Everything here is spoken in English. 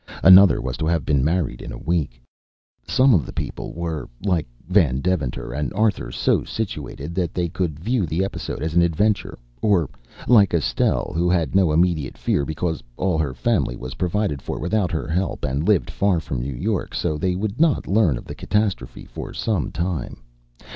Another was to have been married in a week. Some of the people were, like Van Deventer and Arthur, so situated that they could view the episode as an adventure, or, like Estelle, who had no immediate fear because all her family was provided for without her help and lived far from New York, so they would not learn of the catastrophe for some time.